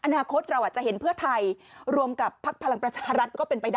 อนาคตเราอาจจะเห็นเพื่อไทยรวมกับภักดิ์พลังประชารัฐ